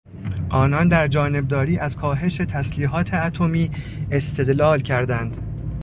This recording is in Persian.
آنان در جانبداری از کاهش تسلیحات اتمی استدلال کردند.